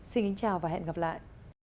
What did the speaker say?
xin chào và hẹn gặp lại